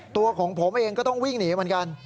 ตัวของผมเองก็ต้องวิ่งหนีเหมือนกัน